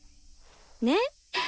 ねっ？